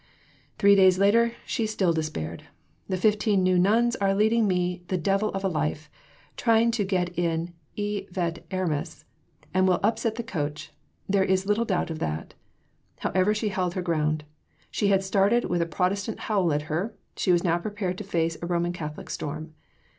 Three days later she still despaired. "The fifteen New Nuns are leading me the devil of a life, trying to get in vi et armis, and will upset the coach; there is little doubt of that." However, she held her ground. She had started with a Protestant howl at her; she was now prepared to face "a Roman Catholic storm."